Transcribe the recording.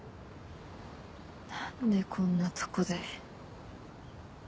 なんでこんなとこで。